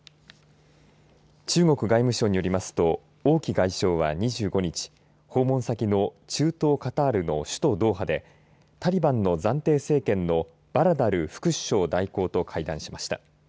中国外務省によりますと王毅外相は２５日訪問先の中東カタールの首都ドーハでタリバンの暫定政権のバラダル副首相代行と会談しました。